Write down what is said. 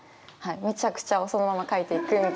めちゃくちゃをそのまま書いていくみたいな。